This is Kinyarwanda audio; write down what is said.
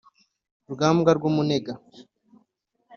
rugambwa rw’umunega